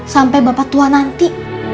sampai bapak tua nanti